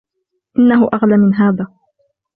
إنه أغلى من هذا.